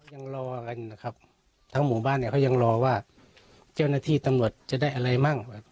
ยังรอกันนะครับทั้งหมู่บ้านเนี่ยเขายังรอว่าเจ้าหน้าที่ตำรวจจะได้อะไรมั่ง